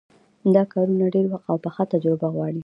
دا کارونه ډېر وخت او پخه تجربه غواړي.